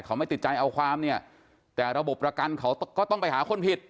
เขาไม่ติดใจเอาความเนี่ยแต่ระบบประกันเขาก็ต้องไปหาคนผิด